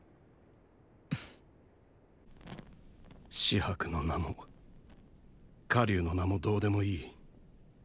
“紫伯”の名も“火龍”の名もどうでもいい。